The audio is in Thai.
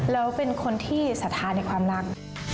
เราเป็นคนที่สัดทานในความรัก